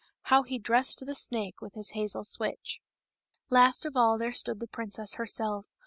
how he dressed the snake with his hazel switch. Last of all, there stood the princess herself.